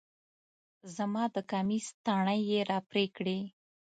زما د کميس تڼۍ يې راپرې کړې